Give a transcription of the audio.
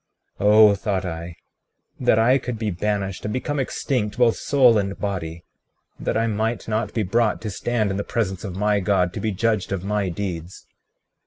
36:15 Oh, thought I, that I could be banished and become extinct both soul and body, that I might not be brought to stand in the presence of my God, to be judged of my deeds.